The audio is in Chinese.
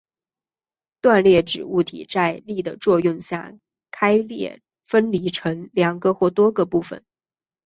断裂指物体在力的作用下开裂分离成两个或多个部分。